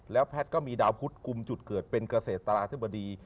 แล้วแพทย์ก็มีดาวพุทธกลุ่มจุดเกิดเป็นเกษตราธิบดี